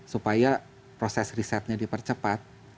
supaya proses risetnya dipercepat